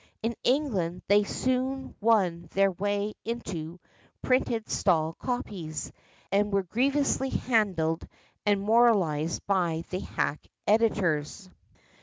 In England they soon won their way into printed stall copies, and were grievously handled and moralized by the hack editors.